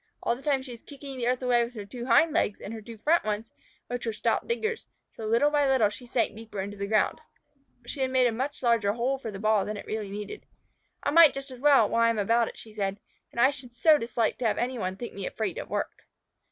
All the time she was kicking the earth away with her two hind legs and her two front ones, which were stout diggers, so that little by little she sank deeper into the ground. She made a much larger hole for the ball than it really needed. "I might just as well, while I am about it," she said. "And I should so dislike to have any one think me afraid of work."